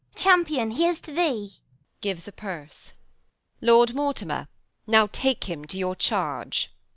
_ Champion, here's to thee. [Gives purse. Q. Isab. Lord Mortimer, now take him to your charge.